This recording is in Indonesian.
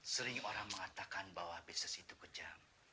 sering orang mengatakan bahwa bisnis itu kejam